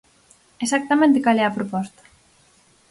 ¿Exactamente cal é a proposta?